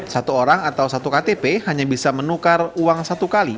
satu orang atau satu ktp hanya bisa menukar uang satu kali